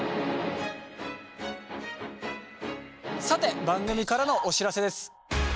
さて番組からのお知らせです。